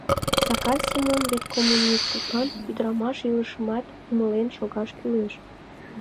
Сакар Семон вет коммунист, тудлан ӱдырамаш илышымат умылен шогаш кӱлеш.